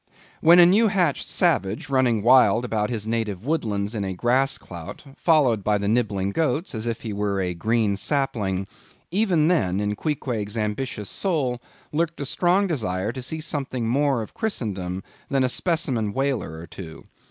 When a new hatched savage running wild about his native woodlands in a grass clout, followed by the nibbling goats, as if he were a green sapling; even then, in Queequeg's ambitious soul, lurked a strong desire to see something more of Christendom than a specimen whaler or two.